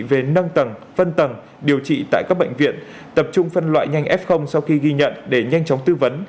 về nâng tầng phân tầng điều trị tại các bệnh viện tập trung phân loại nhanh f sau khi ghi nhận để nhanh chóng tư vấn